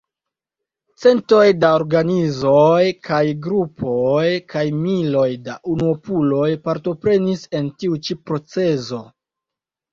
Centoj da organizoj kaj grupoj kaj miloj da unuopuloj partoprenis en tiu ĉi procezo.